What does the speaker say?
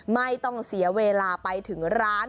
ไม่ต้องเสียเวลาไปถึงร้าน